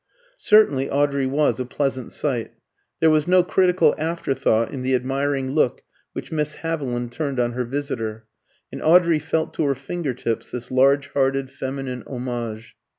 Certainly Audrey was a pleasant sight. There was no critical afterthought in the admiring look which Miss Haviland turned on her visitor, and Audrey felt to her finger tips this large hearted feminine homage.